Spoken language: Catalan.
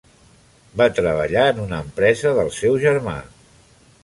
Va treballar en una empresa del seu germà.